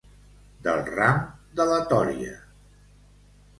Del ram de la tòria.